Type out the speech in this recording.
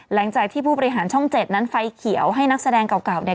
หลังจากที่ผู้ประหารช่อง๗นั้นไฟเขียวให้นักแสดงเก่า